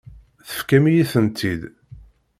Tefkam-iyi-tent-id.